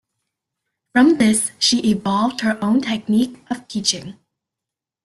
From this, she evolved her own technique of teaching.